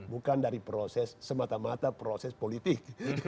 bukan dari proses semata mata proses politik